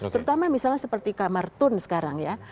terutama misalnya seperti kamar tun sekarang ya